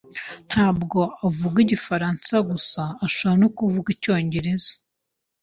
Ntabwo avuga igifaransa gusa, ashobora no kuvuga icyongereza.